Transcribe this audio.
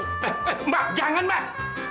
eh mbak jangan mbak